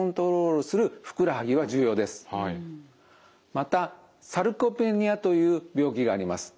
またサルコペニアという病気があります。